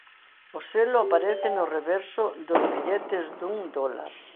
O selo aparece no reverso dos billetes dun dólar.